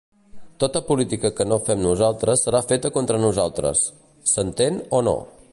Tota política que no fem nosaltres serà feta contra nosaltres. S'entèn, o no?